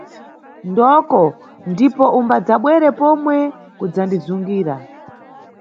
Ndoko ndipo umbadzabwere pomwe kudzandizungira.